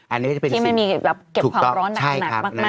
อันนี้จะเป็นที่ไม่มีแบบเก็บความร้อนหนักมาก